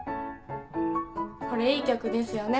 これいい曲ですよね。